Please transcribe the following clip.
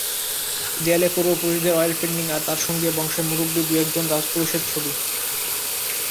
দেয়ালে পূর্বপুরুষদের অয়েলপেন্টিং, আর তার সঙ্গে বংশের মুরুব্বি দু-একজন রাজপুরুষের ছবি।